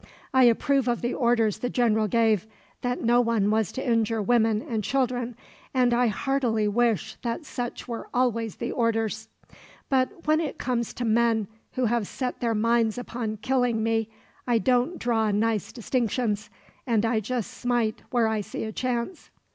I approve of the orders the general gave, that no one was to injure women and children, and I heartily wish that such were always the orders; but when it comes to men who have set their minds upon killing me, I don't draw nice distinctions, and I just smite where I see a chance."